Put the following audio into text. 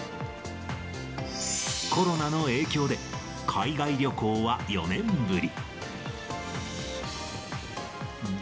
コロナの影響で、海外旅行は４年ぶり。